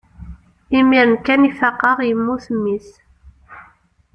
imir-n kan i faqeɣ yemmut mmi-s